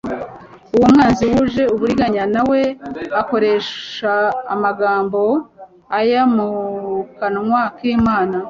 Uwo mwanzi wuje uburiganya na we akoresha amagambo aya mu kanwa k'Imana.